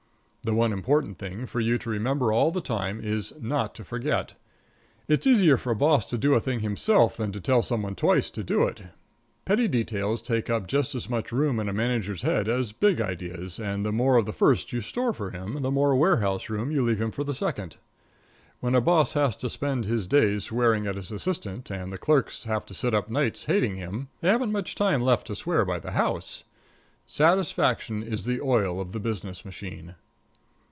The one important thing for you to remember all the time is not to forget. It's easier for a boss to do a thing himself than to tell some one twice to do it. Petty details take up just as much room in a manager's head as big ideas; and the more of the first you store for him, the more warehouse room you leave him for the second. When a boss has to spend his days swearing at his assistant and the clerks have to sit up nights hating him, they haven't much time left to swear by the house. Satisfaction is the oil of the business machine.